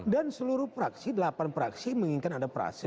dan seluruh praksi delapan praksi menginginkan ada prase